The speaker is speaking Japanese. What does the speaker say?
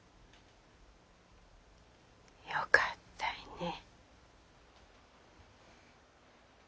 よかったいねぇ。